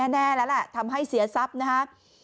แน่แล้วแหละทำให้เสียทรัพย์นะครับ